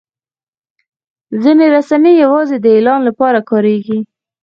ځینې رسنۍ یوازې د اعلان لپاره کارېږي.